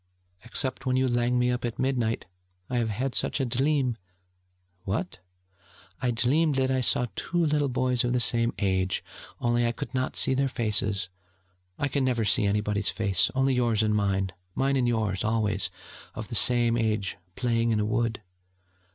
'Except when you lang me up at midnight. I have had such a dleam ...' 'What?' 'I dleamed that I saw two little boys of the same age only I could not see their faces, I never can see anybody's face, only yours and mine, mine and yours always of the same age playing in a wood....'